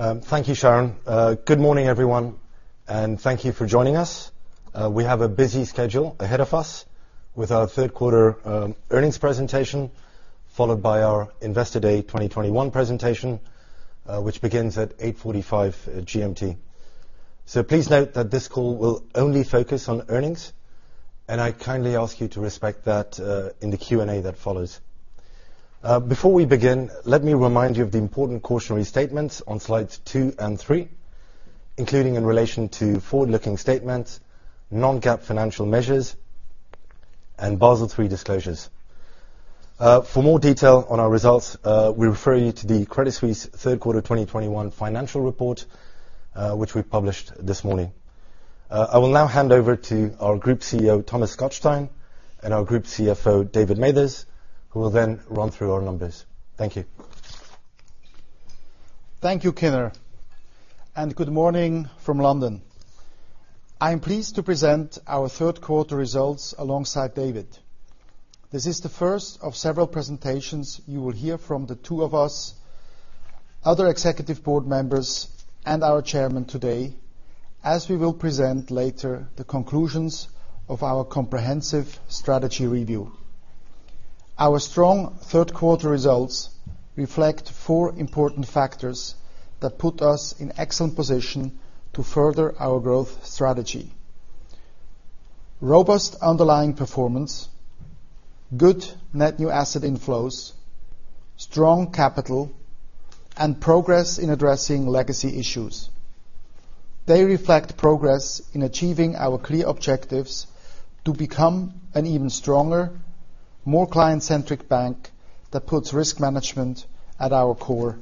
Thank you, Sharon. Good morning, everyone, and thank you for joining us. We have a busy schedule ahead of us with our third quarter earnings presentation, followed by our Investor Day 2021 presentation, which begins at 8:45 GMT. Please note that this call will only focus on earnings, and I kindly ask you to respect that, in the Q&A that follows. Before we begin, let me remind you of the important cautionary statements on slides 2 and 3, including in relation to forward-looking statements, non-GAAP financial measures, and Basel III disclosures. For more detail on our results, we refer you to the Credit Suisse third quarter 2021 financial report, which we published this morning. I will now hand over to our Group CEO, Thomas Gottstein, and our Group CFO, David Mathers, who will then run through our numbers. Thank you. Thank you, Kinner. Good morning from London. I'm pleased to present our third quarter results alongside David. This is the first of several presentations you will hear from the two of us, other executive board members and our chairman today, as we will present later the conclusions of our comprehensive strategy review. Our strong third quarter results reflect four important factors that put us in excellent position to further our growth strategy. Robust underlying performance, good net new asset inflows, strong capital, and progress in addressing legacy issues. They reflect progress in achieving our clear objectives to become an even stronger, more client-centric bank that puts risk management at our core,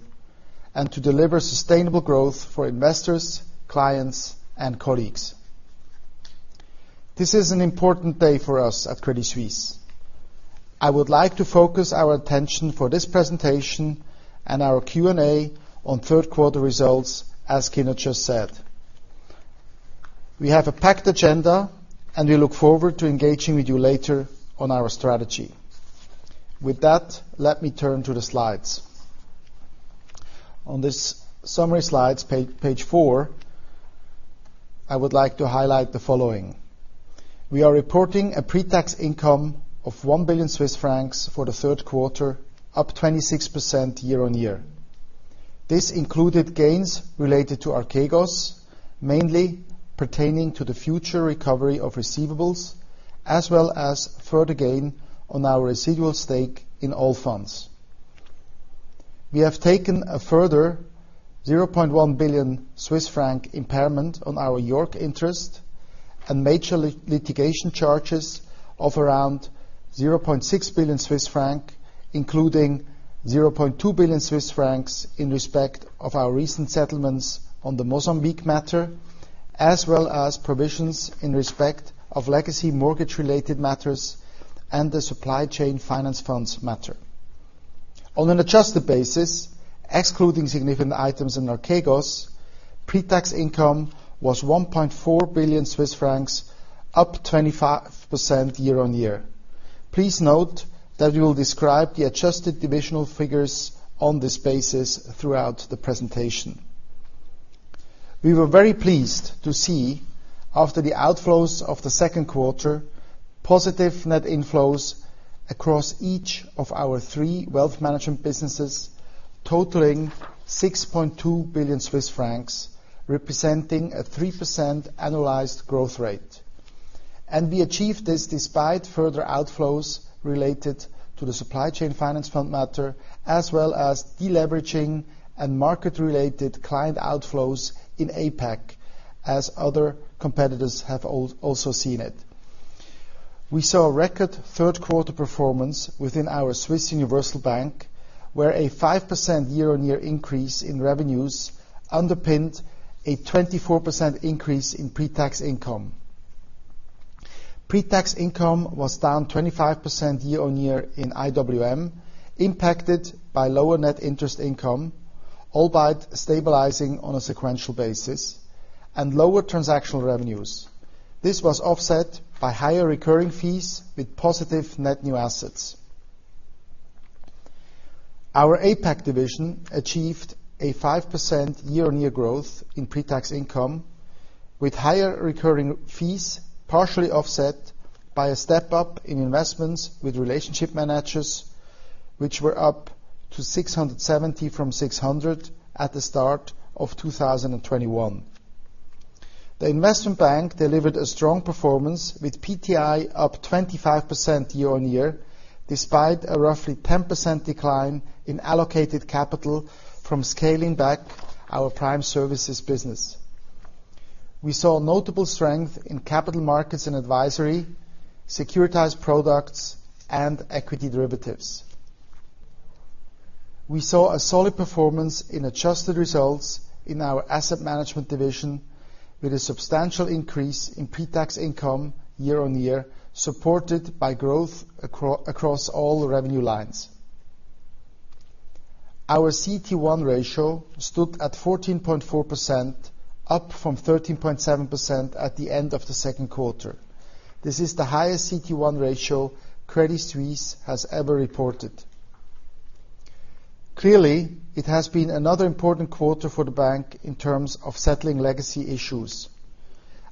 and to deliver sustainable growth for investors, clients, and colleagues. This is an important day for us at Credit Suisse. I would like to focus our attention for this presentation and our Q&A on third quarter results as Kinner just said. We have a packed agenda, and we look forward to engaging with you later on our strategy. With that, let me turn to the slides. On this summary slides, page four, I would like to highlight the following. We are reporting a pre-tax income of 1 billion Swiss francs for the third quarter, up 26% year-on-year. This included gains related to Archegos, mainly pertaining to the future recovery of receivables, as well as further gain on our residual stake in Allfunds. We have taken a further 0.1 billion Swiss franc impairment on our York interest and major litigation charges of around 0.6 billion Swiss francs, including 0.2 billion Swiss francs in respect of our recent settlements on the Mozambique matter, as well as provisions in respect of legacy mortgage-related matters and the Supply Chain Finance funds matter. On an adjusted basis, excluding significant items in Archegos, pre-tax income was 1.4 billion Swiss francs, up 25% year-on-year. Please note that we will describe the adjusted divisional figures on this basis throughout the presentation. We were very pleased to see after the outflows of the second quarter, positive net inflows across each of our three wealth management businesses totaling 6.2 billion Swiss francs, representing a 3% annualized growth rate. We achieved this despite further outflows related to the Supply Chain Finance Fund matter, as well as deleveraging and market-related client outflows in APAC, as other competitors have also seen it. We saw a record third quarter performance within our Swiss Universal Bank, where a 5% year-on-year increase in revenues underpinned a 24% increase in pre-tax income. Pre-tax income was down 25% year-on-year in IWM, impacted by lower net interest income, albeit stabilizing on a sequential basis and lower transactional revenues. This was offset by higher recurring fees with positive net new assets. Our APAC division achieved a 5% year-on-year growth in pre-tax income, with higher recurring fees partially offset by a step-up in investments with relationship managers, which were up to 670 from 600 at the start of 2021. The investment bank delivered a strong performance with PTI up 25% year-on-year, despite a roughly 10% decline in allocated capital from scaling back our prime services business. We saw notable strength in capital markets and advisory, securitized products, and equity derivatives. We saw a solid performance in adjusted results in our asset management division, with a substantial increase in pre-tax income year-on-year, supported by growth across all revenue lines. Our CET1 ratio stood at 14.4%, up from 13.7% at the end of the second quarter. This is the highest CET1 ratio Credit Suisse has ever reported. Clearly, it has been another important quarter for the bank in terms of settling legacy issues.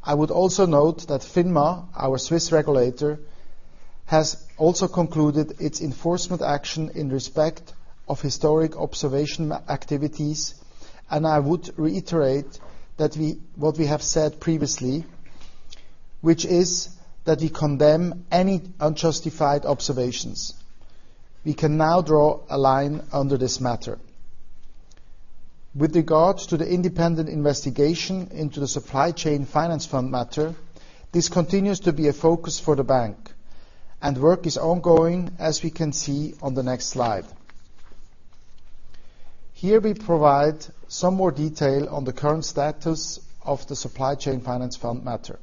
I would also note that FINMA, our Swiss regulator, has also concluded its enforcement action in respect of historic observational activities, and I would reiterate that we What we have said previously, which is that we condemn any unjustified observations. We can now draw a line under this matter. With regards to the independent investigation into the Supply Chain Finance Fund matter, this continues to be a focus for the bank, and work is ongoing as we can see on the next slide. Here we provide some more detail on the current status of the Supply Chain Finance Fund matter.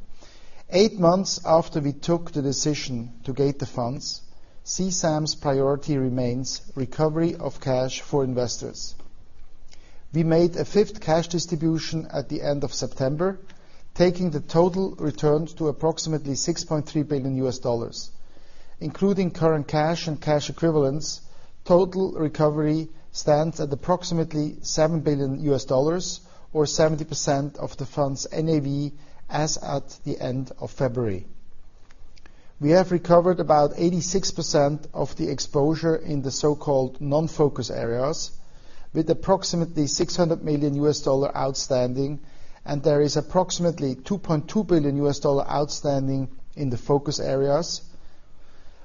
Eight months after we took the decision to gate the funds, CSAM's priority remains recovery of cash for investors. We made a fifth cash distribution at the end of September, taking the total return to approximately $6.3 billion. Including current cash and cash equivalents, total recovery stands at approximately $7 billion or 70% of the fund's NAV as at the end of February. We have recovered about 86% of the exposure in the so-called non-focus areas with approximately $600 million outstanding, and there is approximately $2.2 billion outstanding in the focus areas,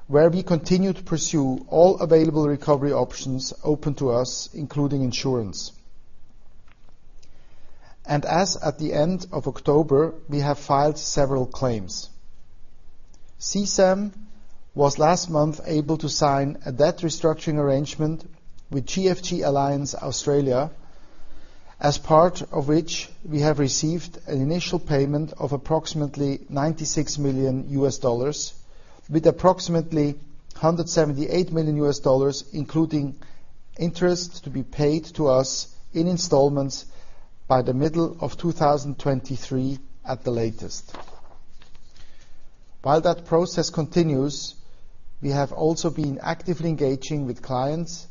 where we continue to pursue all available recovery options open to us, including insurance. As at the end of October, we have filed several claims. CSAM was last month able to sign a debt restructuring arrangement with GFG Alliance Australia, as part of which we have received an initial payment of approximately $96 million, with approximately $178 million, including interest to be paid to us in installments by the middle of 2023 at the latest. While that process continues, we have also been actively engaging with clients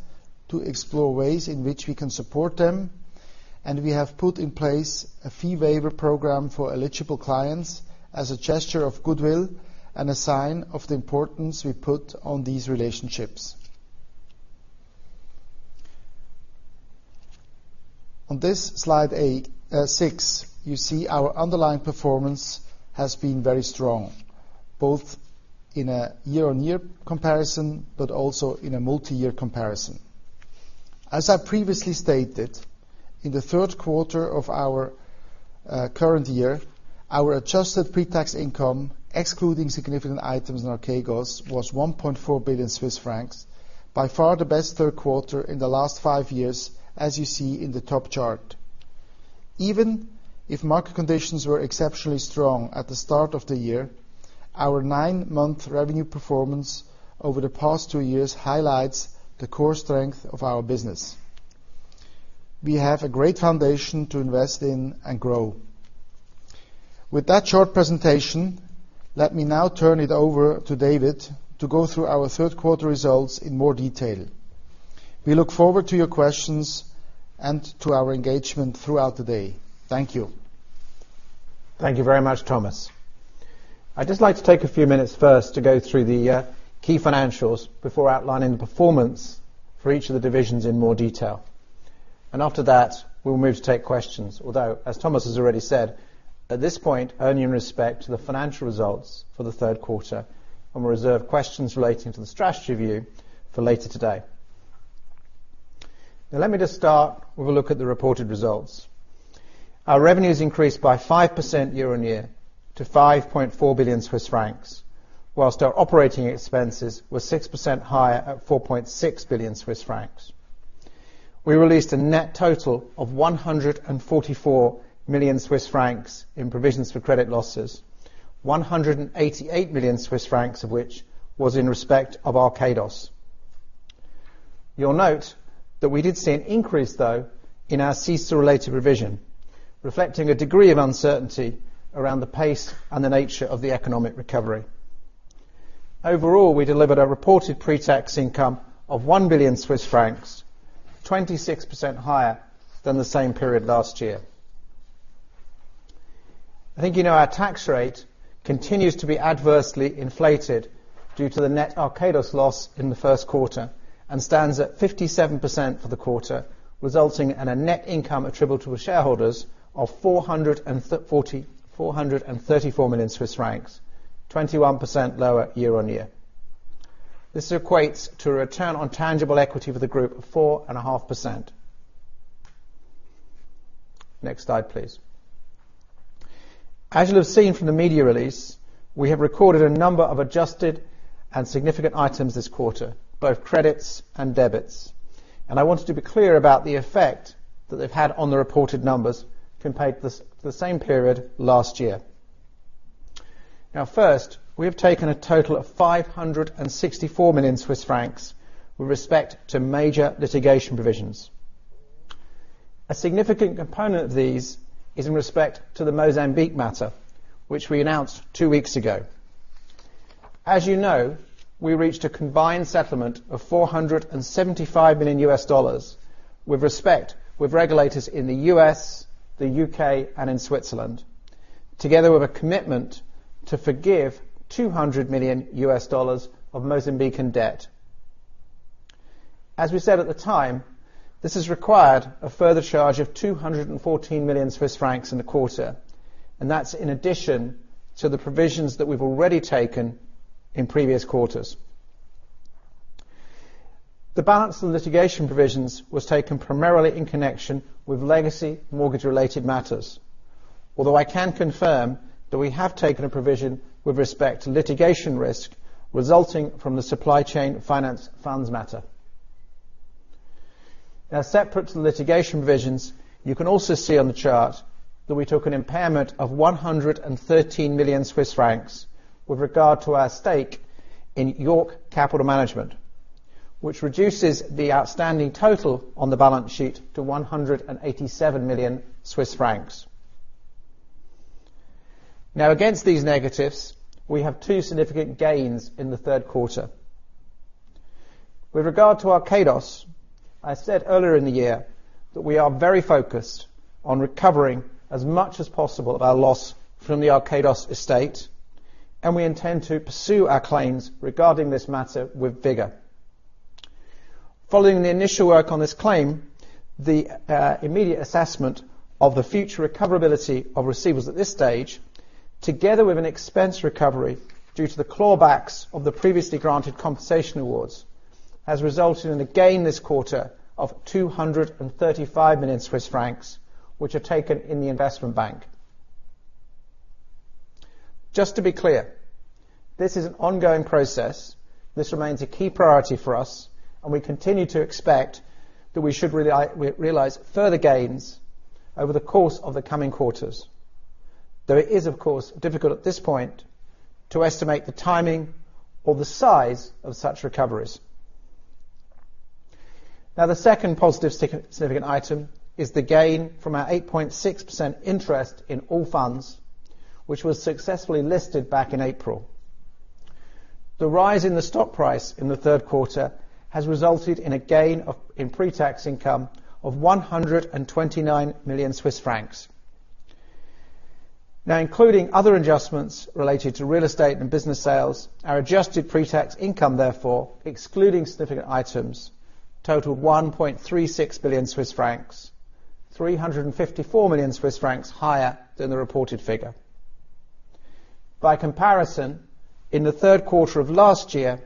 to explore ways in which we can support them, and we have put in place a fee waiver program for eligible clients as a gesture of goodwill and a sign of the importance we put on these relationships. On this slide six, you see our underlying performance has been very strong, both in a year-on-year comparison, but also in a multi-year comparison. As I previously stated, in the third quarter of our current year, our adjusted pre-tax income, excluding significant items in Archegos, was 1.4 billion Swiss francs, by far the best third quarter in the last five years as you see in the top chart. Even if market conditions were exceptionally strong at the start of the year, our nine-month revenue performance over the past two years highlights the core strength of our business. We have a great foundation to invest in and grow. With that short presentation, let me now turn it over to David to go through our third quarter results in more detail. We look forward to your questions and to our engagement throughout the day. Thank you. Thank you very much, Thomas. I'd just like to take a few minutes first to go through the key financials before outlining the performance for each of the divisions in more detail. After that, we'll move to take questions. Although, as Thomas has already said, at this point, only in respect to the financial results for the third quarter, and we reserve questions relating to the strategy review for later today. Now let me just start with a look at the reported results. Our revenues increased by 5% year-on-year to 5.4 billion Swiss francs, while our operating expenses were 6% higher at 4.6 billion Swiss francs. We released a net total of 144 million Swiss francs in provisions for credit losses, 188 million Swiss francs of which was in respect of Archegos. You'll note that we did see an increase though in our CECL-related revision, reflecting a degree of uncertainty around the pace and the nature of the economic recovery. Overall, we delivered a reported pre-tax income of 1 billion Swiss francs, 26% higher than the same period last year. I think you know our tax rate continues to be adversely inflated due to the net Archegos loss in the first quarter and stands at 57% for the quarter, resulting in a net income attributable to shareholders of 434 million Swiss francs, 21% lower year-on-year. This equates to a return on tangible equity for the group of 4.5%. Next slide, please. As you'll have seen from the media release, we have recorded a number of adjusted and significant items this quarter, both credits and debits. I wanted to be clear about the effect that they've had on the reported numbers compared to the same period last year. Now first, we have taken a total of 564 million Swiss francs with respect to major litigation provisions. A significant component of these is in respect to the Mozambique matter, which we announced two weeks ago. As you know, we reached a combined settlement of $475 million with respect to regulators in the U.S., the U.K., and in Switzerland, together with a commitment to forgive $200 million of Mozambican debt. As we said at the time, this has required a further charge of 214 million Swiss francs in the quarter, and that's in addition to the provisions that we've already taken in previous quarters. The balance of the litigation provisions was taken primarily in connection with legacy mortgage-related matters. Although I can confirm that we have taken a provision with respect to litigation risk resulting from the supply chain finance funds matter. Now, separate to the litigation provisions, you can also see on the chart that we took an impairment of 113 million Swiss francs with regard to our stake in York Capital Management, which reduces the outstanding total on the balance sheet to 187 million Swiss francs. Now, against these negatives, we have two significant gains in the third quarter. With regard to Archegos, I said earlier in the year that we are very focused on recovering as much as possible of our loss from the Archegos estate, and we intend to pursue our claims regarding this matter with vigor. Following the initial work on this claim, the immediate assessment of the future recoverability of receivables at this stage, together with an expense recovery due to the clawbacks of the previously granted compensation awards, has resulted in a gain this quarter of 235 million Swiss francs, which are taken in the investment bank. Just to be clear, this is an ongoing process. This remains a key priority for us, and we continue to expect that we should realize further gains over the course of the coming quarters. Though it is, of course, difficult at this point to estimate the timing or the size of such recoveries. Now, the second positive significant item is the gain from our 8.6% interest in Allfunds, which was successfully listed back in April. The rise in the stock price in the third quarter has resulted in a gain in pretax income of 129 million Swiss francs. Now, including other adjustments related to real estate and business sales, our adjusted pretax income therefore, excluding significant items, totaled 1.36 billion Swiss francs, 354 million Swiss francs higher than the reported figure. By comparison, in the third quarter of last year,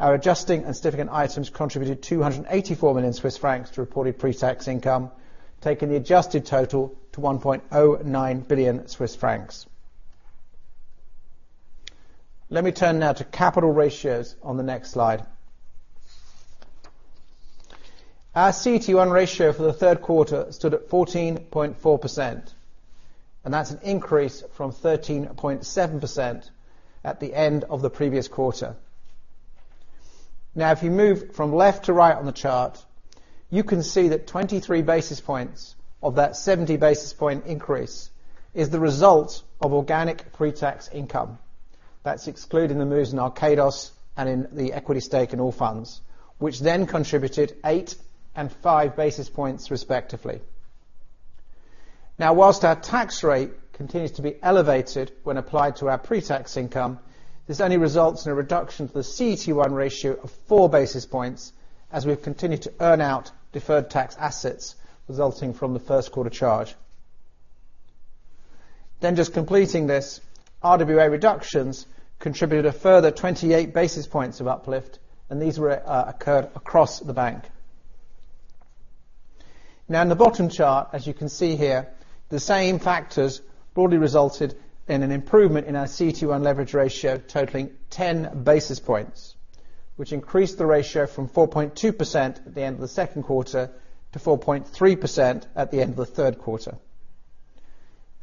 our adjusting and significant items contributed 284 million Swiss francs to reported pretax income, taking the adjusted total to 1.09 billion Swiss francs. Let me turn now to capital ratios on the next slide. Our CET1 ratio for the third quarter stood at 14.4%, and that's an increase from 13.7% at the end of the previous quarter. Now, if you move from left to right on the chart, you can see that 23 basis points of that 70 basis point increase is the result of organic pretax income. That's excluding the moves in Archegos and in the equity stake in Allfunds, which then contributed eight and four basis points respectively. Now, while our tax rate continues to be elevated when applied to our pretax income, this only results in a reduction to the CET1 ratio of four basis points as we've continued to earn out deferred tax assets resulting from the first quarter charge. Just completing this, RWA reductions contributed a further 28 basis points of uplift, and these occurred across the bank. Now in the bottom chart, as you can see here, the same factors broadly resulted in an improvement in our CET1 leverage ratio totaling 10 basis points, which increased the ratio from 4.2% at the end of the second quarter to 4.3% at the end of the third quarter.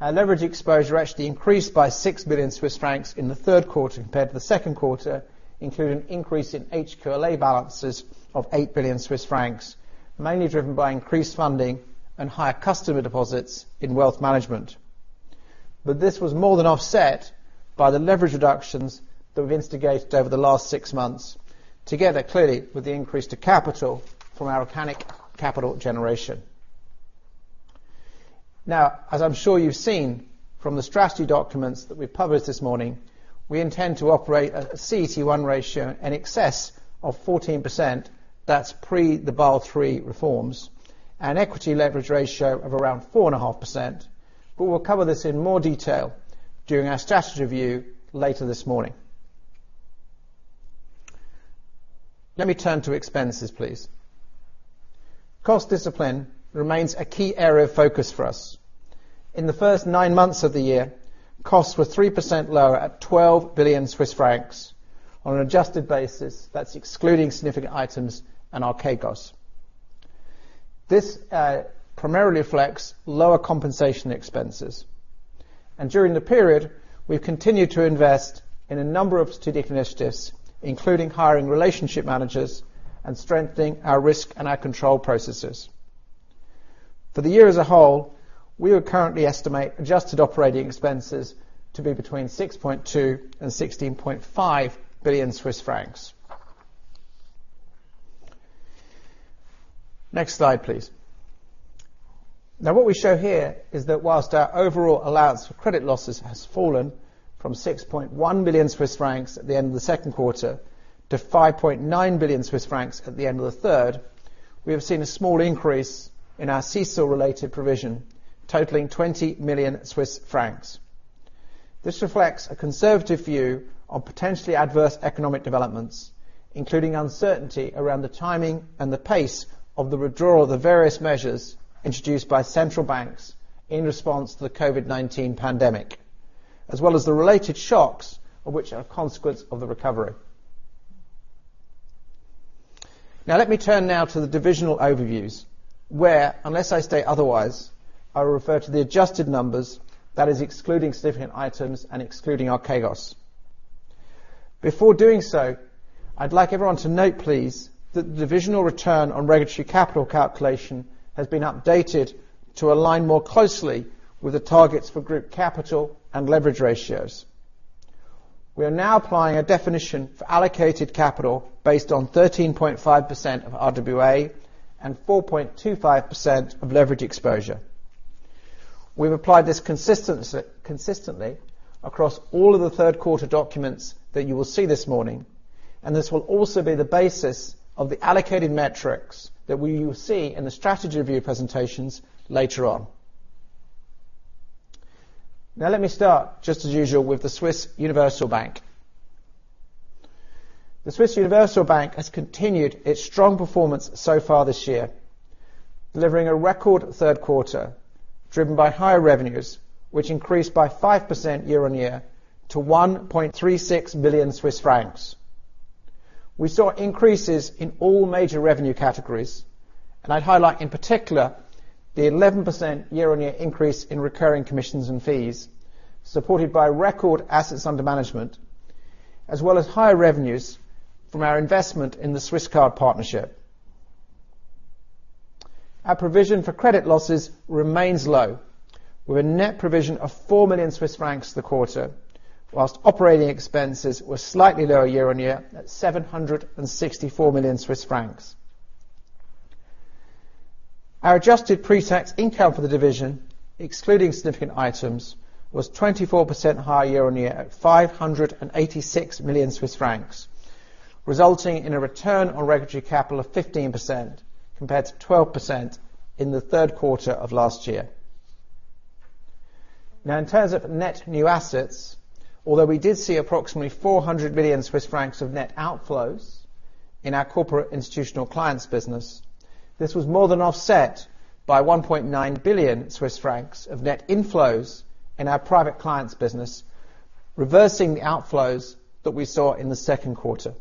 Our leverage exposure actually increased by 6 billion Swiss francs in the third quarter compared to the second quarter, including an increase in HQLA balances of 8 billion Swiss francs, mainly driven by increased funding and higher customer deposits in wealth management. This was more than offset by the leverage reductions that we've instigated over the last six months, together clearly with the increase to capital from our organic capital generation. Now, as I'm sure you've seen from the strategy documents that we've published this morning, we intend to operate a CET1 ratio in excess of 14%. That's pre the Basel III reforms. An equity leverage ratio of around 4.5%, but we'll cover this in more detail during our strategy review later this morning. Let me turn to expenses, please. Cost discipline remains a key area of focus for us. In the first nine months of the year, costs were 3% lower at 12 billion Swiss francs. On an adjusted basis, that's excluding significant items and Archegos. This primarily reflects lower compensation expenses. During the period, we've continued to invest in a number of strategic initiatives, including hiring relationship managers and strengthening our risk and our control processes. For the year as a whole, we would currently estimate adjusted operating expenses to be between 6.2 billion and 16.5 billion Swiss francs. Next slide, please. Now, what we show here is that while our overall allowance for credit losses has fallen from 6.1 billion Swiss francs at the end of the second quarter to 5.9 billion Swiss francs at the end of the third, we have seen a small increase in our CECL-related provision, totaling 20 million Swiss francs. This reflects a conservative view on potentially adverse economic developments, including uncertainty around the timing and the pace of the withdrawal of the various measures introduced by central banks in response to the COVID-19 pandemic, as well as the related shocks of which are a consequence of the recovery. Now, let me turn to the divisional overviews, where, unless I state otherwise, I will refer to the adjusted numbers, that is excluding significant items and excluding Archegos. Before doing so, I'd like everyone to note, please, that the divisional return on regulatory capital calculation has been updated to align more closely with the targets for group capital and leverage ratios. We are now applying a definition for allocated capital based on 13.5% of RWA and 4.25% of leverage exposure. We've applied this consistently across all of the third quarter documents that you will see this morning, and this will also be the basis of the allocated metrics that we will see in the strategy review presentations later on. Now let me start, just as usual, with the Swiss Universal Bank. The Swiss Universal Bank has continued its strong performance so far this year, delivering a record third quarter, driven by higher revenues, which increased by 5% year-on-year to 1.36 billion Swiss francs. We saw increases in all major revenue categories, and I'd highlight in particular the 11% year-on-year increase in recurring commissions and fees, supported by record assets under management, as well as higher revenues from our investment in the Swisscard partnership. Our provision for credit losses remains low, with a net provision of 4 million Swiss francs this quarter, while operating expenses were slightly lower year-on-year at 764 million Swiss francs. Our adjusted pre-tax income for the division, excluding significant items, was 24% higher year-on-year at 586 million Swiss francs, resulting in a return on regulatory capital of 15%, compared to 12% in the third quarter of last year. Now, in terms of net new assets, although we did see approximately 400 million Swiss francs of net outflows in our corporate institutional clients business, this was more than offset by 1.9 billion Swiss francs of net inflows in our private clients business, reversing the outflows that we saw in the second quarter.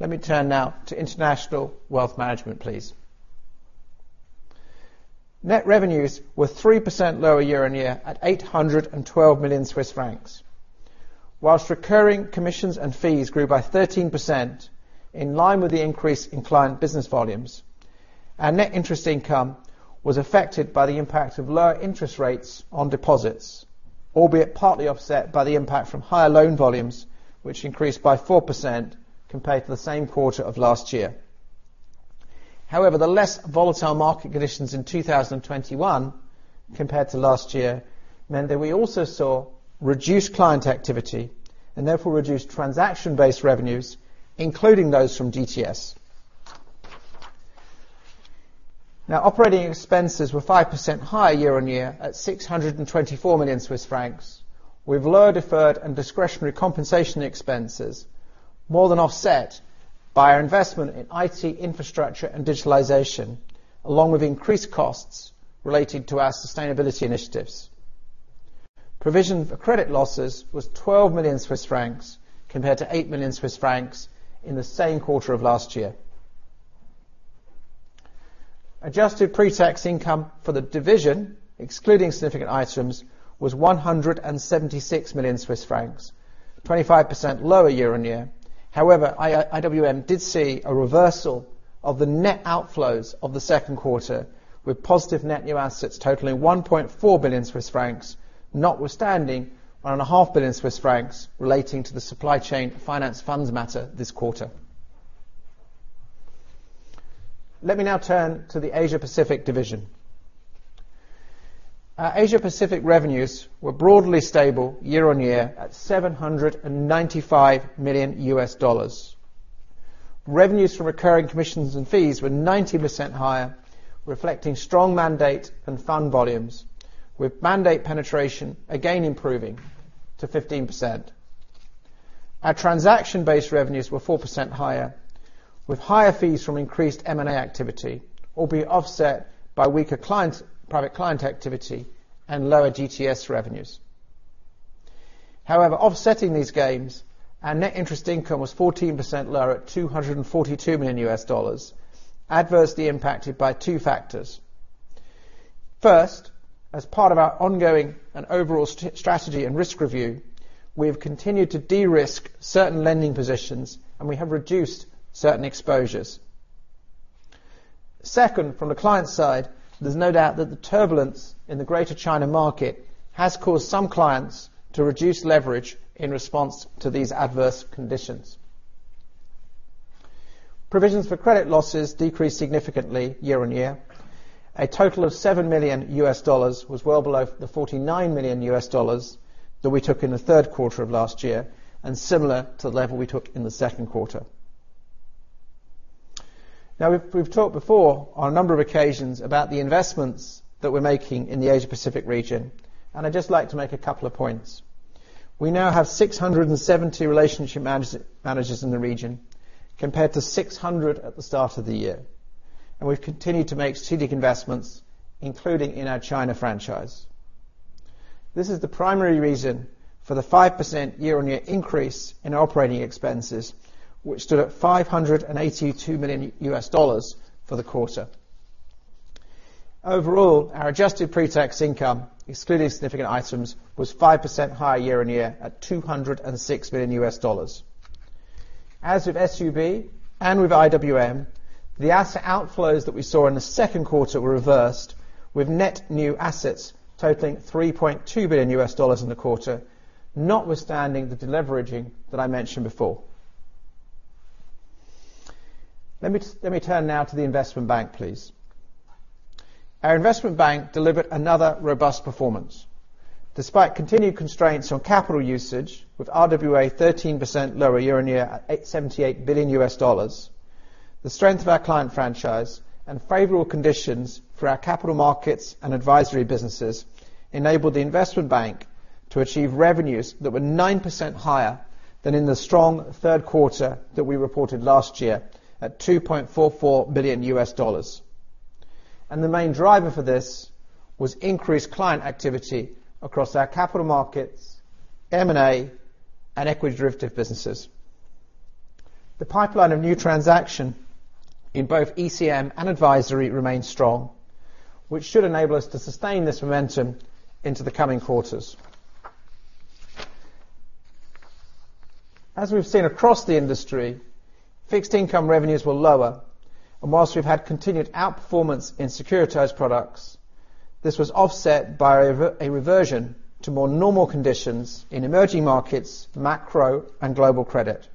Let me turn now to international wealth management, please. Net revenues were 3% lower year-on-year at 812 million Swiss francs. While recurring commissions and fees grew by 13% in line with the increase in client business volumes, our net interest income was affected by the impact of lower interest rates on deposits, albeit partly offset by the impact from higher loan volumes, which increased by 4% compared to the same quarter of last year. However, the less volatile market conditions in 2021 compared to last year meant that we also saw reduced client activity, and therefore reduced transaction-based revenues, including those from GTS. Now, operating expenses were 5% higher year-on-year at 624 million Swiss francs, with lower deferred and discretionary compensation expenses more than offset by our investment in IT infrastructure and digitalization, along with increased costs related to our sustainability initiatives. Provision for credit losses was 12 million Swiss francs compared to 8 million Swiss francs in the same quarter of last year. Adjusted pre-tax income for the division, excluding significant items, was 176 million Swiss francs, 25% lower year-on-year. However, IWM did see a reversal of the net outflows of the second quarter with positive net new assets totaling 1.4 billion Swiss francs, notwithstanding 1.5 billion Swiss francs relating to the supply chain finance funds matter this quarter. Let me now turn to the Asia Pacific division. Our Asia Pacific revenues were broadly stable year-on-year at $795 million. Revenues from recurring commissions and fees were 90% higher, reflecting strong mandate and fund volumes, with mandate penetration again improving to 15%. Our transaction-based revenues were 4% higher, with higher fees from increased M&A activity, albeit offset by weaker client private client activity and lower GTS revenues. However, offsetting these gains, our net interest income was 14% lower at $242 million, adversely impacted by two factors. First, as part of our ongoing and overall strategy and risk review, we have continued to de-risk certain lending positions, and we have reduced certain exposures. Second, from the client side, there's no doubt that the turbulence in the Greater China market has caused some clients to reduce leverage in response to these adverse conditions. Provisions for credit losses decreased significantly year-on-year. A total of $7 million was well below the $49 million that we took in the third quarter of last year, and similar to the level we took in the second quarter. Now we've talked before on a number of occasions about the investments that we're making in the Asia Pacific region, and I'd just like to make a couple of points. We now have 670 relationship managers in the region, compared to 600 at the start of the year. We've continued to make strategic investments, including in our China franchise. This is the primary reason for the 5% year-on-year increase in operating expenses, which stood at $582 million for the quarter. Overall, our adjusted pre-tax income, excluding significant items, was 5% higher year-on-year at $206 million. As with SUB and with IWM, the asset outflows that we saw in the second quarter were reversed with net new assets totaling $3.2 billion in the quarter, notwithstanding the deleveraging that I mentioned before. Let me turn now to the investment bank, please. Our investment bank delivered another robust performance. Despite continued constraints on capital usage, with RWA 13% lower year-on-year at $878 billion, the strength of our client franchise and favorable conditions for our capital markets and advisory businesses enabled the investment bank to achieve revenues that were 9% higher than in the strong third quarter that we reported last year at $2.44 billion. The main driver for this was increased client activity across our capital markets, M&A, and equity derivative businesses. The pipeline of new transactions in both ECM and advisory remains strong, which should enable us to sustain this momentum into the coming quarters. As we've seen across the industry, fixed income revenues were lower. While we've had continued outperformance in securitized products, this was offset by a reversion to more normal conditions in emerging markets, macro, and global credit.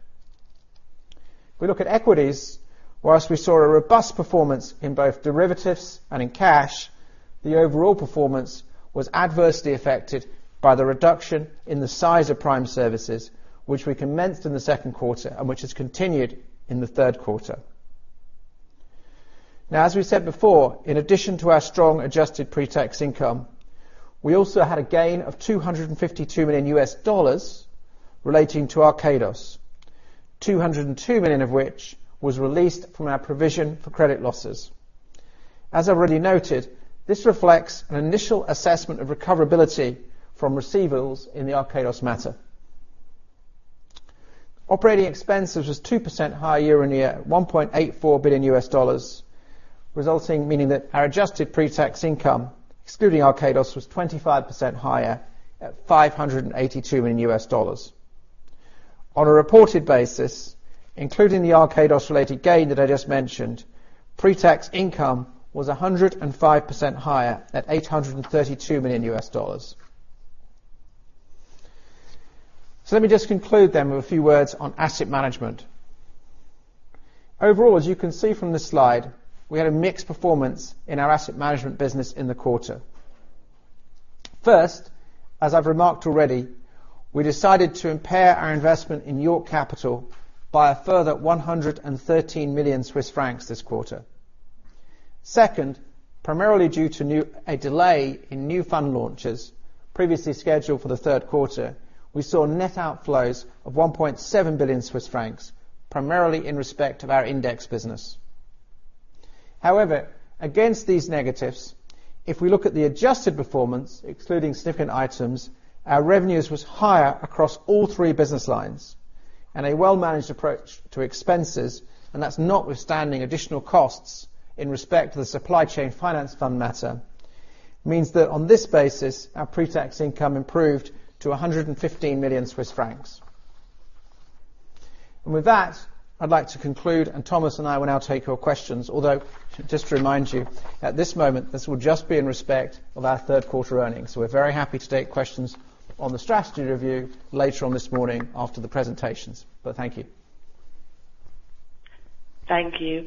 If we look at equities, while we saw a robust performance in both derivatives and in cash, the overall performance was adversely affected by the reduction in the size of prime services, which we commenced in the second quarter and which has continued in the third quarter. Now, as we said before, in addition to our strong adjusted pretax income, we also had a gain of $252 million relating to Archegos, $202 million of which was released from our provision for credit losses. As I've already noted, this reflects an initial assessment of recoverability from receivables in the Archegos matter. Operating expenses was 2% higher year-on-year at $1.84 billion, resulting meaning that our adjusted pretax income, excluding Archegos, was 25% higher at $582 million. On a reported basis, including the Archegos-related gain that I just mentioned, pretax income was 105% higher at $832 million. Let me just conclude then with a few words on asset management. Overall, as you can see from this slide, we had a mixed performance in our asset management business in the quarter. First, as I've remarked already, we decided to impair our investment in York Capital Management by a further 113 million Swiss francs this quarter. Second, primarily due to a delay in new fund launches previously scheduled for the third quarter, we saw net outflows of 1.7 billion Swiss francs, primarily in respect of our index business. However, against these negatives, if we look at the adjusted performance, excluding significant items, our revenues was higher across all three business lines. A well-managed approach to expenses, and that's notwithstanding additional costs in respect to the Supply Chain Finance Fund matter, means that on this basis our pretax income improved to 115 million Swiss francs. With that, I'd like to conclude, and Thomas and I will now take your questions. Although, just to remind you, at this moment, this will just be in respect of our third quarter earnings. We're very happy to take questions on the strategy review later on this morning after the presentations. Thank you. Thank you.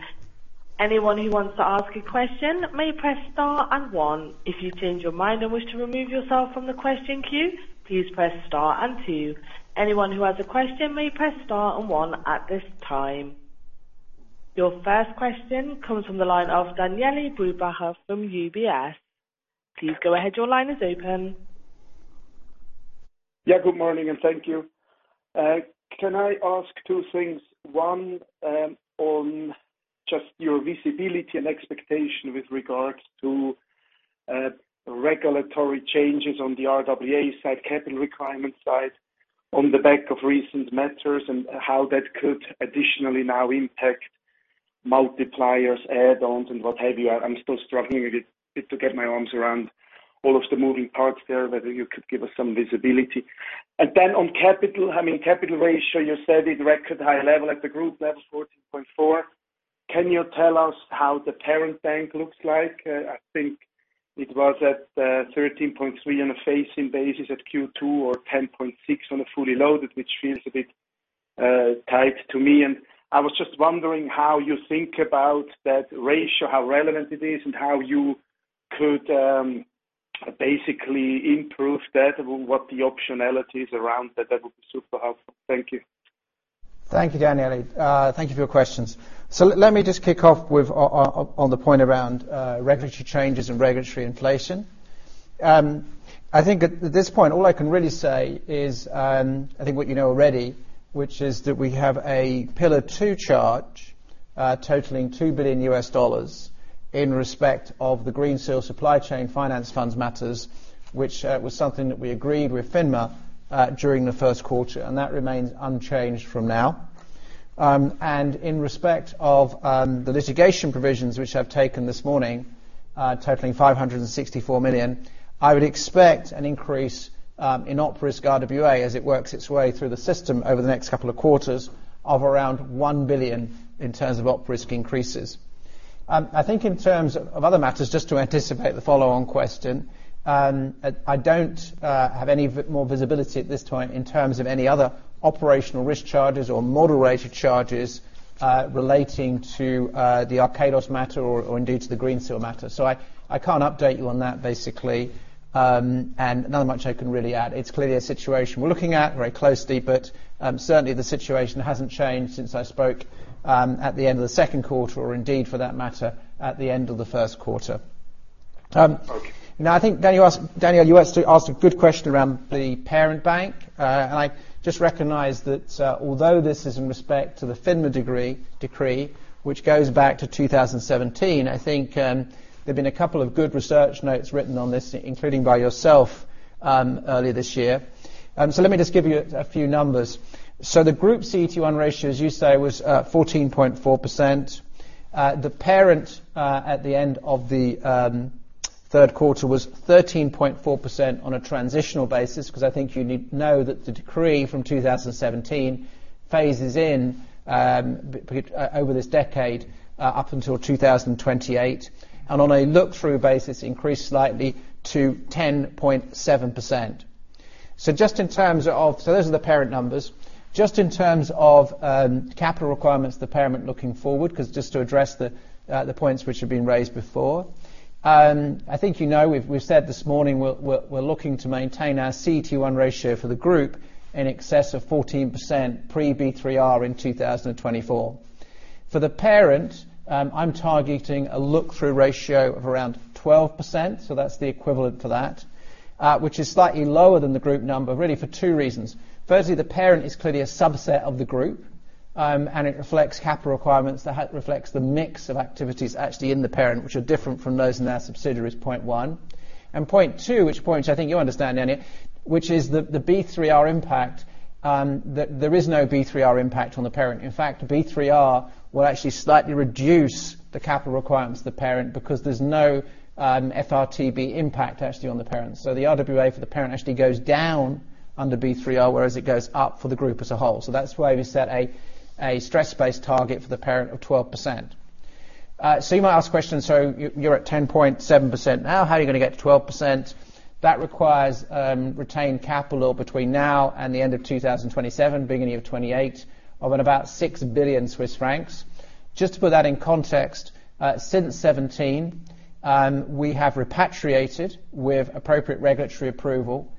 Anyone who wants to ask a question may press star and one. If you change your mind and wish to remove yourself from the question queue, please press star and two. Anyone who has a question may press star and one at this time. Your first question comes from the line of Daniele Brupbacher from UBS. Please go ahead, your line is open. Yeah, good morning, and thank you. Can I ask two things? One, on just your visibility and expectation with regards to regulatory changes on the RWA side, capital requirement side, on the back of recent matters and how that could additionally now impact multipliers, add-ons, and what have you. I'm still struggling a bit to get my arms around all of the moving parts there, whether you could give us some visibility. Then on capital, I mean, capital ratio, you said it record high level at the group level is 14.4%. Can you tell us how the parent bank looks like? I think it was at 13.3% on a phasing basis at Q2 or 10.6% on a fully loaded, which feels a bit tight to me. I was just wondering how you think about that ratio, how relevant it is, and how you could basically improve that, what the optionality is around that. That would be super helpful. Thank you. Thank you, Daniele. Thank you for your questions. Let me just kick off with the point around regulatory changes and regulatory inflation. I think at this point, all I can really say is I think what you know already, which is that we have a Pillar two charge totaling $2 billion in respect of the Greensill Supply Chain Finance funds matters, which was something that we agreed with FINMA during the first quarter. And that remains unchanged from now. In respect of the litigation provisions which I've taken this morning totaling $564 million, I would expect an increase in op risk RWA as it works its way through the system over the next couple of quarters of around $1 billion in terms of op risk increases. I think in terms of other matters, just to anticipate the follow on question, I don't have any more visibility at this point in terms of any other operational risk charges or moderated charges, relating to the Archegos matter or indeed to the Greensill matter. So I can't update you on that, basically, and not much I can really add. It's clearly a situation we're looking at very closely, but certainly the situation hasn't changed since I spoke at the end of the second quarter, or indeed for that matter, at the end of the first quarter. Okay. I think Daniele, you asked a good question around the parent bank. I just recognize that although this is in respect to the FINMA decree, which goes back to 2017. I think there have been a couple of good research notes written on this, including by yourself, earlier this year. Let me just give you a few numbers. The group CET1 ratio, as you say, was 14.4%. The parent at the end of the third quarter was 13.4% on a transitional basis, because I think you need to know that the decree from 2017 phases in over this decade up until 2028. On a look-through basis, increased slightly to 10.7%. Those are the parent numbers. Just in terms of capital requirements of the parent looking forward, 'cause just to address the points which have been raised before. I think you know, we've said this morning we're looking to maintain our CET1 ratio for the group in excess of 14% pre B3R in 2024. For the parent, I'm targeting a look-through ratio of around 12%, so that's the equivalent to that, which is slightly lower than the group number, really for two reasons. Firstly, the parent is clearly a subset of the group, and it reflects capital requirements that reflect the mix of activities actually in the parent, which are different from those in their subsidiaries, point one. Point two, which point I think you understand, Daniele, which is the B3R impact, that there is no B3R impact on the parent. In fact, B3R will actually slightly reduce the capital requirements of the parent because there's no FRTB impact actually on the parent. So the RWA for the parent actually goes down under B3R, whereas it goes up for the group as a whole. So that's why we set a stress-based target for the parent of 12%. You might ask questions, you're at 10.7% now, how are you gonna get to 12%? That requires retained capital between now and the end of 2027, beginning of 2028, of about 6 billion Swiss francs. Just to put that in context, since 2017, we have repatriated with appropriate regulatory approval,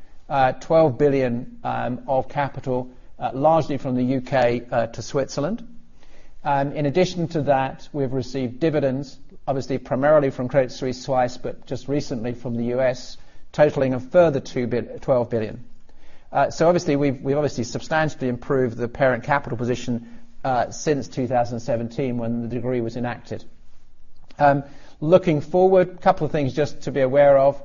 12 billion of capital, largely from the U.K., to Switzerland. In addition to that, we have received dividends, obviously primarily from Credit Suisse twice, but just recently from the U.S., totaling a further 12 billion. So obviously, we obviously substantially improved the parent capital position, since 2017 when the decree was enacted. Looking forward, a couple of things just to be aware of.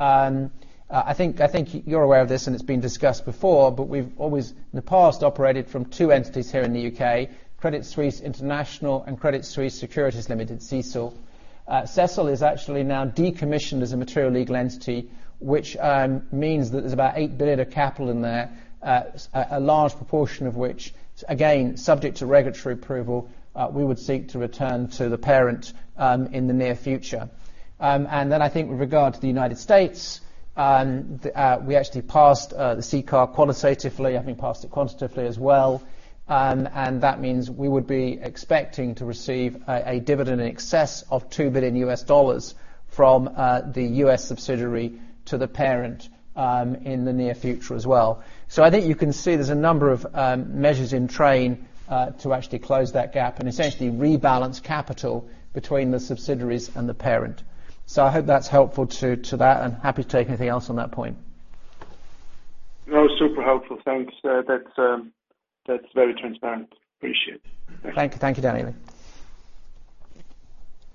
I think you are aware of this and it has been discussed before, but we have always in the past operated from two entities here in the U.K., Credit Suisse International and Credit Suisse Securities (Europe) Limited, CSSEL. CSSEL is actually now decommissioned as a material legal entity, which means that there's about 8 billion of capital in there, a large proportion of which, again, subject to regulatory approval, we would seek to return to the parent in the near future. I think with regard to the United States, we actually passed the CCAR qualitatively, having passed it quantitatively as well. That means we would be expecting to receive a dividend in excess of $2 billion from the U.S. subsidiary to the parent in the near future as well. I think you can see there's a number of measures in train to actually close that gap and essentially rebalance capital between the subsidiaries and the parent. I hope that's helpful to that and happy to take anything else on that point. No, super helpful. Thanks. That's very transparent. Appreciate it. Thank you. Thank you, Daniel.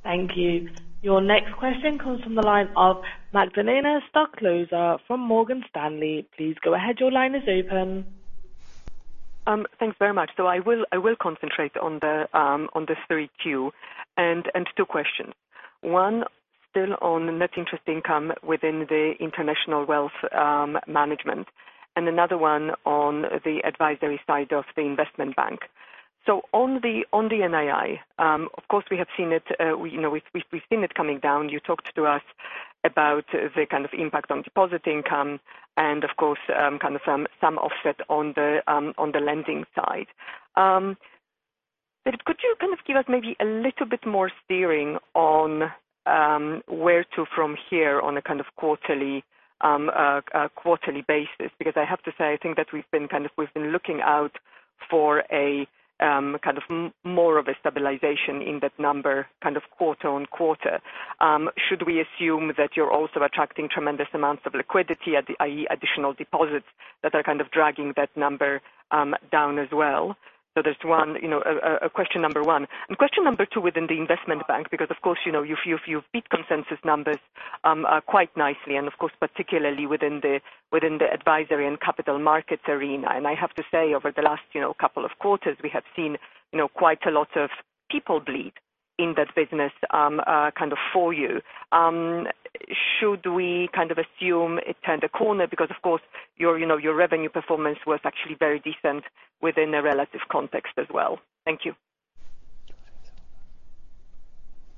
Thank you. Your next question comes from the line of Magdalena Stoklosa from Morgan Stanley. Please go ahead. Your line is open. Thanks very much. I will concentrate on the three Q and two questions. One, still on net interest income within the international wealth management, and another one on the advisory side of the investment bank. On the NII, of course, we have seen it. You know, we've seen it coming down. You talked to us about the kind of impact on deposit income and of course, kind of some offset on the lending side. But could you kind of give us maybe a little bit more steering on where to from here on a kind of quarterly basis? Because I have to say, I think that we've been looking out for a kind of more of a stabilization in that number kind of quarter-on-quarter. Should we assume that you're also attracting tremendous amounts of liquidity, i.e., additional deposits that are kind of dragging that number down as well? That's one, you know, question number one. Question number two within the investment bank, because of course, you know, you beat consensus numbers quite nicely, and of course, particularly within the advisory and capital markets arena. I have to say, over the last, you know, couple of quarters, we have seen, you know, quite a lot of people bleed in that business kind of for you. Should we kind of assume it turned a corner? Because of course, you know, your revenue performance was actually very decent within the relative context as well. Thank you.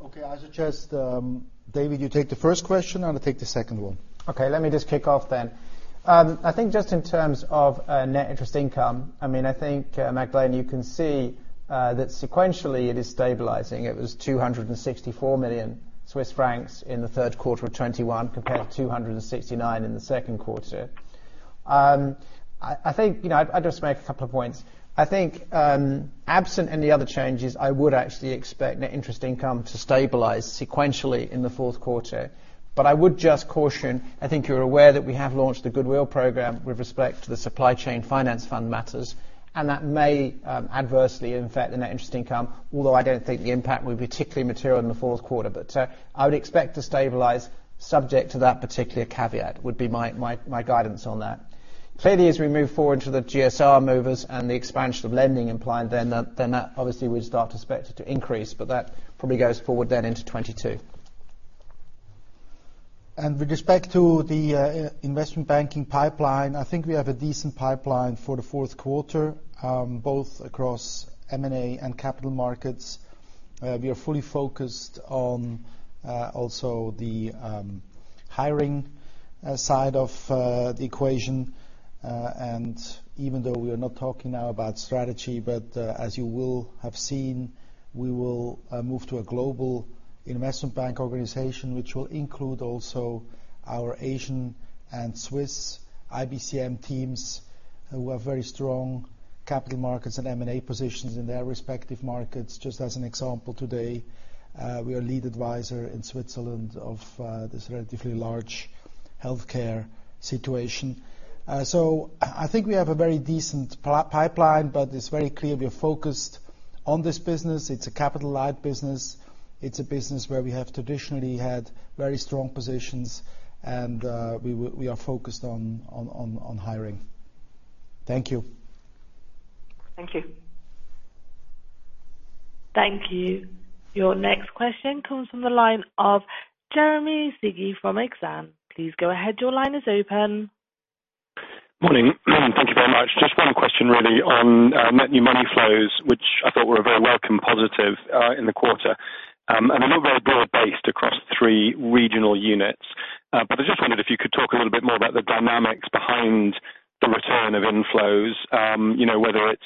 Okay. I suggest, David, you take the first question, and I take the second one. Okay. Let me just kick off then. I think just in terms of net interest income, I mean, I think, Magdalena, you can see that sequentially it is stabilizing. It was 264 million Swiss francs in the third quarter of 2021 compared to 269 million in the second quarter. I think, you know, I'd just make a couple of points. I think absent any other changes, I would actually expect net interest income to stabilize sequentially in the fourth quarter. I would just caution, I think you're aware that we have launched the goodwill program with respect to the Supply Chain Finance Fund matters, and that may adversely affect the net interest income, although I don't think the impact will be particularly material in the fourth quarter. I would expect to stabilize subject to that particular caveat, would be my guidance on that. Clearly, as we move forward to the GSR movers and the expansion of lending implied, then that obviously we'd start to expect it to increase, but that probably goes forward then into 2022. With respect to the investment banking pipeline, I think we have a decent pipeline for the fourth quarter, both across M&A and capital markets. We are fully focused on also the hiring side of the equation. Even though we are not talking now about strategy, but as you will have seen. We will move to a global investment bank organization, which will include also our Asian and Swiss IBCM teams, who have very strong capital markets and M&A positions in their respective markets. Just as an example today, we are lead advisor in Switzerland of this relatively large healthcare situation. I think we have a very decent pipeline, but it's very clear we are focused on this business. It's a capital light business. It's a business where we have traditionally had very strong positions and we are focused on hiring. Thank you. Thank you. Thank you. Your next question comes from the line of Jeremy Sigee from Exane. Please go ahead. Your line is open. Morning. Thank you very much. Just one question really on net new money flows, which I thought were a very welcome positive in the quarter. They're not very broad-based across three regional units. I just wondered if you could talk a little bit more about the dynamics behind the return of inflows, you know, whether it's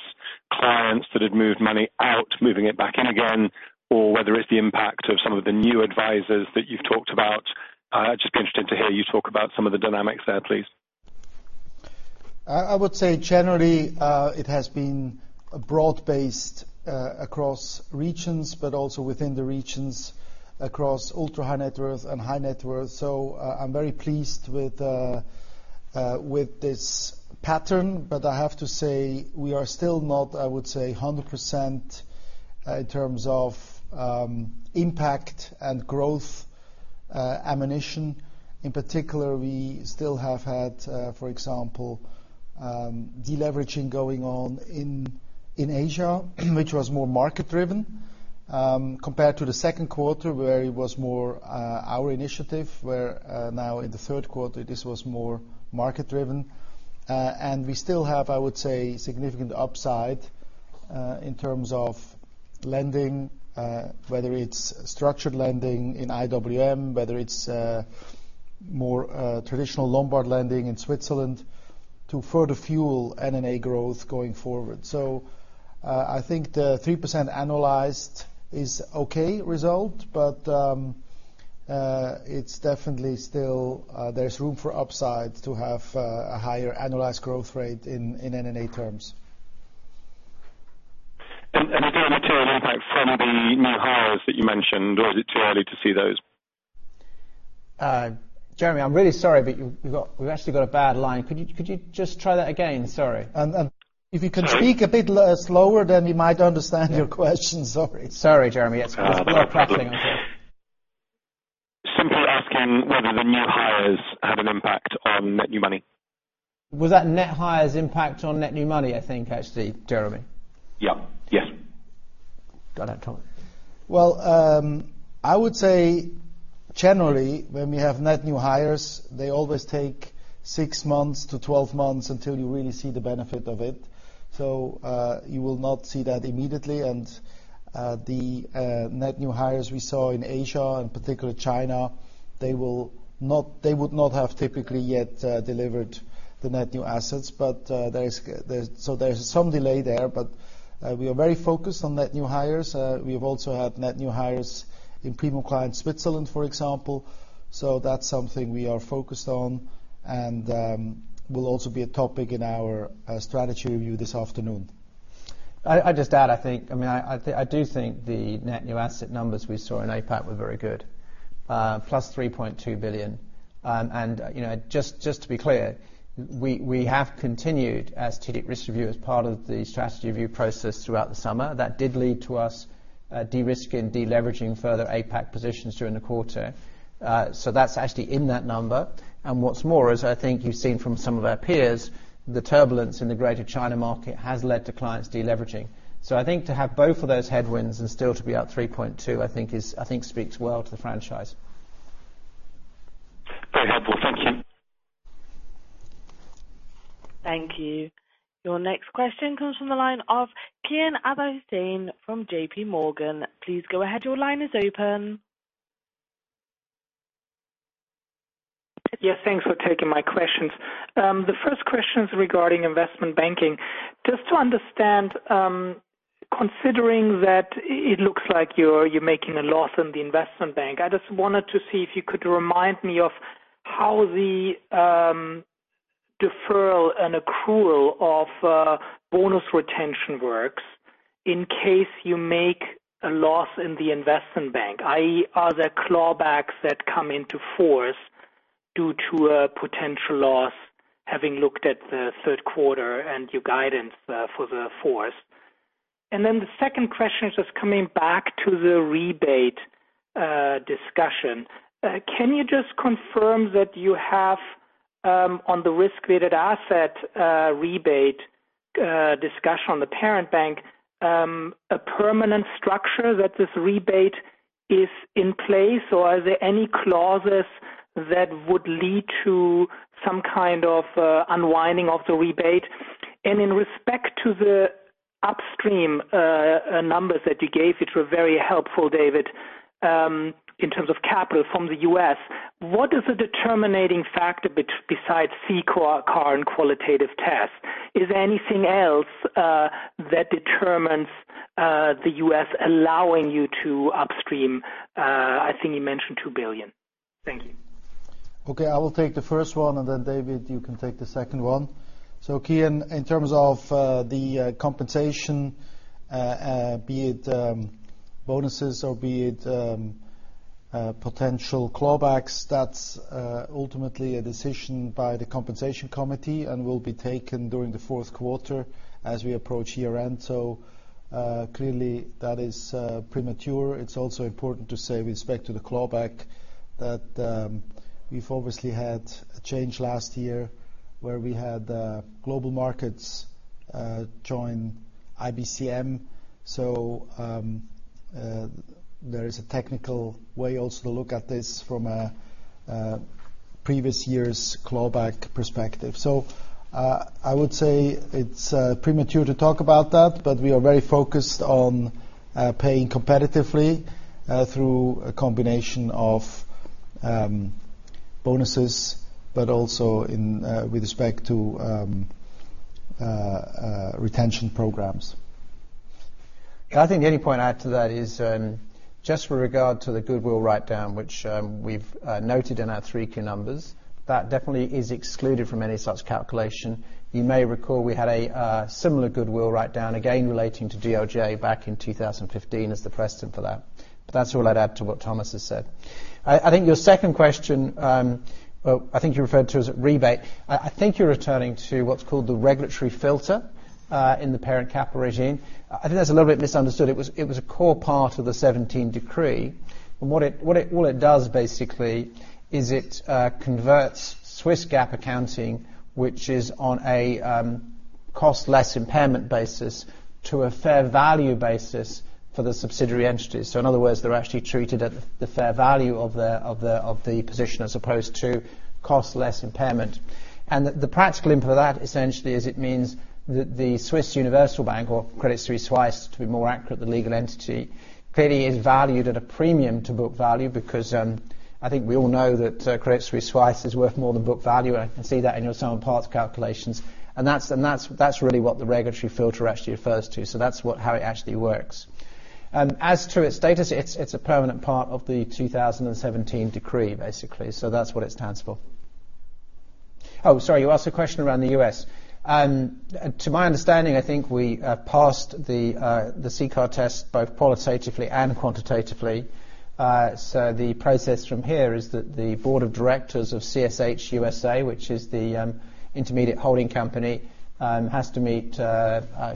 clients that had moved money out, moving it back in again, or whether it's the impact of some of the new advisors that you've talked about. I'd just be interested to hear you talk about some of the dynamics there, please. I would say generally, it has been broad-based across regions, but also within the regions across ultra high net worth and high net worth. I'm very pleased with this pattern, but I have to say we are still not, I would say, 100% in terms of impact and growth momentum. In particular, we still have had, for example, deleveraging going on in Asia, which was more market driven compared to the second quarter, where it was more our initiative. Now in the third quarter, this was more market driven. We still have, I would say, significant upside in terms of lending, whether it's structured lending in IWM, whether it's more traditional Lombard lending in Switzerland to further fuel NNA growth going forward. I think the 3% annualized is okay result, but it's definitely still there's room for upside to have a higher annualized growth rate in NNA terms. Is it too early to see those? Jeremy, I'm really sorry, but you've got, we've actually got a bad line. Could you just try that again? Sorry. If you can speak a bit slower, then you might understand your question, sorry. Sorry, Jeremy. It's poor connection on here. No problem. Simply asking whether the net hires had an impact on net new money. Was that net hires impact on net new money, I think, actually, Jeremy? Yeah. Yes. Got that, Thomas. I would say generally when we have net new hires, they always take six months to 12 months until you really see the benefit of it. You will not see that immediately. The net new hires we saw in Asia, in particular China, they would not have typically yet delivered the net new assets. There is some delay there, but we are very focused on net new hires. We've also had net new hires in Premium Client Switzerland, for example. That's something we are focused on, and will also be a topic in our strategy review this afternoon. I just add, I think. I mean, I do think the net new asset numbers we saw in APAC were very good, plus 3.2 billion. You know, just to be clear, we have continued strategic risk review as part of the strategy review process throughout the summer. That did lead to us derisking and deleveraging further APAC positions during the quarter. So that's actually in that number. What's more is, I think you've seen from some of our peers, the turbulence in the Greater China market has led to clients deleveraging. I think to have both of those headwinds and still to be up 3.2 billion speaks well to the franchise. Very helpful. Thank you. Thank you. Your next question comes from the line of Kian Abouhossein from JP Morgan. Please go ahead. Your line is open. Yes, thanks for taking my questions. The first question is regarding investment banking. Just to understand, considering that it looks like you're making a loss in the investment bank, I just wanted to see if you could remind me of how the deferral and accrual of bonus retention works in case you make a loss in the investment bank, i.e. are there clawbacks that come into force due to a potential loss, having looked at the third quarter and your guidance for the fourth. The second question is just coming back to the rebate discussion. Can you just confirm that you have, on the risk-weighted asset, rebate, discussion on the parent bank, a permanent structure that this rebate is in place, or are there any clauses that would lead to some kind of, unwinding of the rebate? In respect to the upstream, numbers that you gave, which were very helpful, David, in terms of capital from the U.S., what is the determining factor besides CECL, CCAR and qualitative tests? Is there anything else, that determines, the U.S. allowing you to upstream, I think you mentioned $2 billion? Thank you. Okay, I will take the first one, and then David, you can take the second one. Kian, in terms of the compensation, be it bonuses or be it potential clawbacks, that's ultimately a decision by the Compensation Committee and will be taken during the fourth quarter as we approach year-end. Clearly that is premature. It's also important to say with respect to the clawback that we've obviously had a change last year where we had global markets join IBCM. There is a technical way also to look at this from a previous year's clawback perspective. I would say it's premature to talk about that, but we are very focused on paying competitively through a combination of bonuses, but also with respect to retention programs. I think the only point I'd add to that is, just with regard to the goodwill writedown, which, we've noted in our three key numbers, that definitely is excluded from any such calculation. You may recall we had a similar goodwill writedown, again relating to DOJ back in 2015 as the precedent for that. That's all I'd add to what Thomas has said. I think your second question, well, I think you referred to as a rebate. I think you're returning to what's called the regulatory filter in the parent capital regime. I think that's a little bit misunderstood. It was a core part of the 2017 decree. What it does basically is it converts Swiss GAAP accounting, which is on a cost less impairment basis, to a fair value basis for the subsidiary entities. So in other words, they're actually treated at the fair value of the position as opposed to cost less impairment. The practical input of that essentially is it means that the Swiss Universal Bank, or Credit Suisse, to be more accurate, the legal entity, clearly is valued at a premium to book value because I think we all know that Credit Suisse is worth more than book value, and I can see that in your sum of parts calculations. That's really what the regulatory filter actually refers to. So that's what, how it actually works. As to its status, it's a permanent part of the 2017 decree, basically. That's what it stands for. Oh, sorry. You asked a question around the U.S. To my understanding, I think we passed the CCAR test both qualitatively and quantitatively. The process from here is that the board of directors of CSH USA. Which is the intermediate holding company, has to meet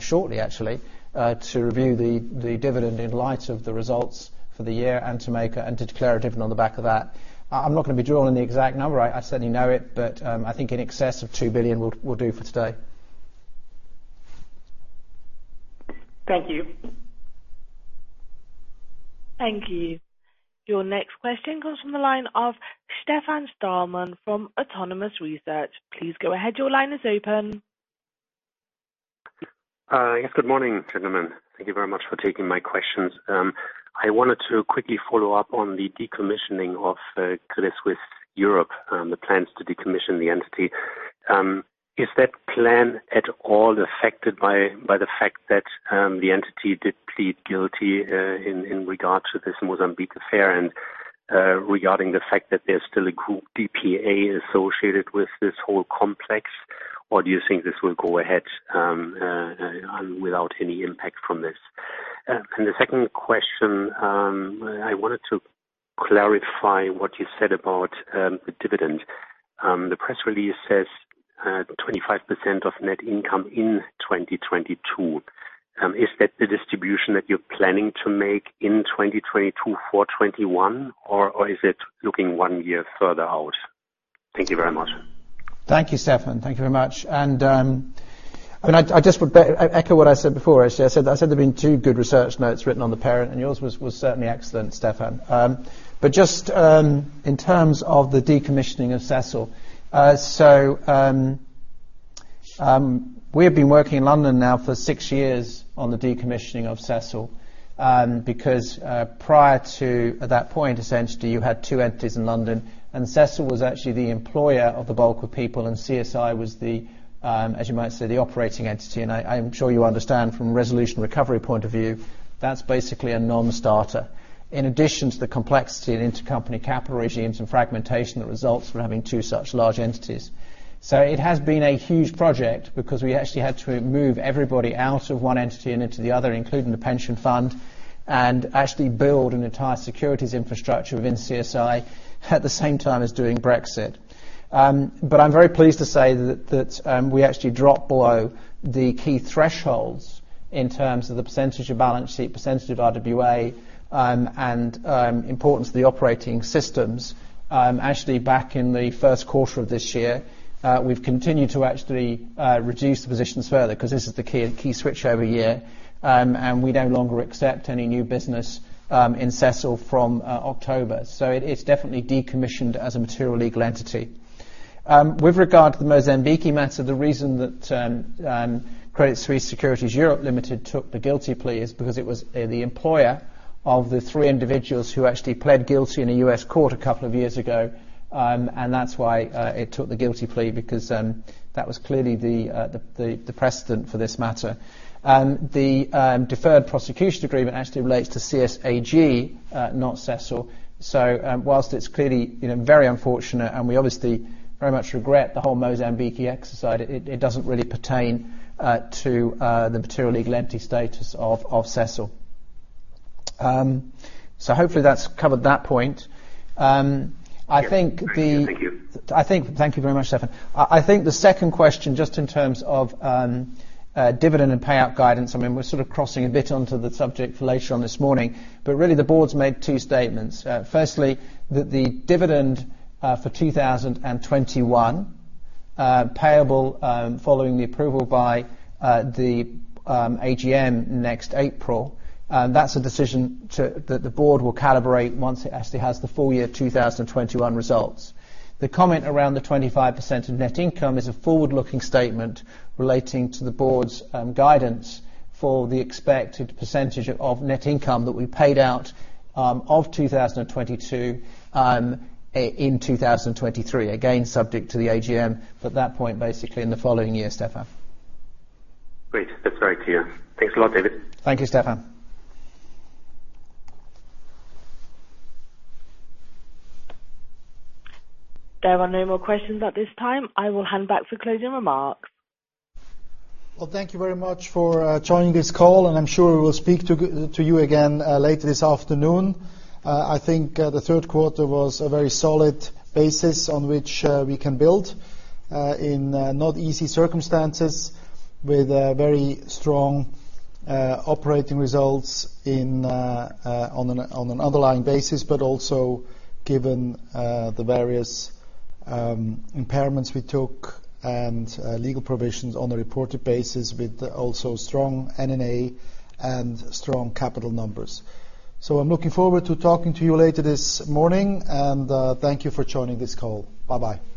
shortly, actually, to review the dividend in light of the results for the year and to declare a dividend on the back of that. I'm not gonna be drawing the exact number. I certainly know it, but I think in excess of $2 billion will do for today. Thank you. Thank you. Your next question comes from the line of Stefan Stalmann from Autonomous Research. Please go ahead. Your line is open. Yes. Good morning, gentlemen. Thank you very much for taking my questions. I wanted to quickly follow up on the decommissioning of Credit Suisse Europe, the plans to decommission the entity. Is that plan at all affected by the fact that the entity did plead guilty in regards to this Mozambique affair and regarding the fact that there's still a group DPA associated with this whole complex? Or do you think this will go ahead without any impact from this? The second question, I wanted to clarify what you said about the dividend. The press release says 25% of net income in 2022. Is that the distribution that you're planning to make in 2022 for 2021, or is it looking one year further out? Thank you very much. Thank you, Stefan. Thank you very much. I mean, I just echo what I said before. I said there's been two good research notes written on the parent, and yours was certainly excellent, Stefan. Just in terms of the decommissioning of CSSEL. We have been working in London now for six years on the decommissioning of CSSEL, because prior to at that point, essentially, you had two entities in London, and CSSEL was actually the employer of the bulk of people, and CSI was the, as you might say, the operating entity. I am sure you understand from resolution recovery point of view, that's basically a non-starter. In addition to the complexity and intercompany capital regimes and fragmentation that results from having two such large entities. It has been a huge project because we actually had to move everybody out of one entity and into the other, including the pension fund, and actually build an entire securities infrastructure within CSI at the same time as doing Brexit. But I'm very pleased to say that we actually dropped below the key thresholds in terms of the percentage of balance sheet, percentage of RWA, and importance to the operating systems, actually back in the first quarter of this year. We've continued to actually reduce the positions further because this is the key switch over year, and we no longer accept any new business in CSSEL from October. It is definitely decommissioned as a material legal entity. With regard to the Mozambique matter, the reason that Credit Suisse Securities (Europe) Limited took the guilty plea is because it was the employer of the three individuals who actually pled guilty in a U.S. court a couple of years ago. That's why it took the guilty plea because that was clearly the precedent for this matter. The deferred prosecution agreement actually relates to CSAG, not CSSEL. While it's clearly you know very unfortunate and we obviously very much regret the whole Mozambique exercise, it doesn't really pertain to the material legal entity status of CSSEL. Hopefully that covers that point. I think the Thank you. Thank you very much, Stefan. I think the second question, just in terms of dividend and payout guidance, I mean, we're sort of crossing a bit onto the subject for later on this morning. Really, the board's made two statements. Firstly, the dividend for 2021, payable following the approval by the AGM next April, that's a decision that the board will calibrate once it actually has the full year 2021 results. The comment around the 25% of net income is a forward-looking statement relating to the board's guidance for the expected percentage of net income that we paid out of 2022 in 2023. Again, subject to the AGM, that point basically in the following year, Stefan. Great. That's very clear. Thanks a lot, David. Thank you, Stefan. There are no more questions at this time. I will hand back for closing remarks. Well, thank you very much for joining this call, and I'm sure we will speak to you again later this afternoon. I think the third quarter was a very solid basis on which we can build in not easy circumstances with very strong operating results on an underlying basis, but also given the various impairments we took and legal provisions on a reported basis with also strong NNA and strong capital numbers. I'm looking forward to talking to you later this morning, and thank you for joining this call. Bye-bye. Thank you.